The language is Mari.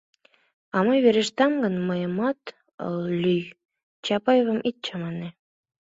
— А мый верештам гын, мыйымат лӱй, Чапаевым ит чамане.